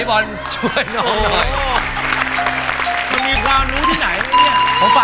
ก็มีความรู้ที่ไหนอ่ะแน่